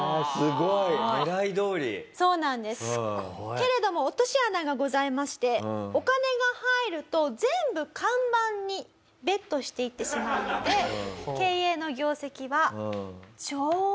けれども落とし穴がございましてお金が入ると全部看板にベットしていってしまうので経営の業績は。